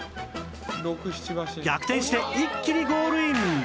逆転して一気にゴールイン！